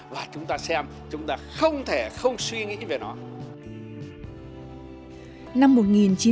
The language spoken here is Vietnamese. và chúng ta xem chúng ta không thể không suy nghĩ về nó